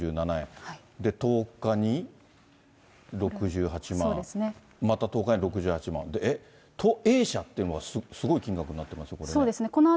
１０日に６８万、また１０日に６８万、で、Ａ社っていうのが、すごい金額になってますね、これね。